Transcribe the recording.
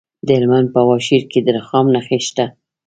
د هلمند په واشیر کې د رخام نښې شته.